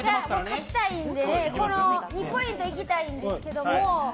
勝ちたいので２ポイントいきたいんですけど。